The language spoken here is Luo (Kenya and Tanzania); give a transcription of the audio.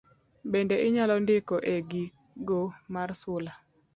Bende inyalo ndiko e giko mar sula.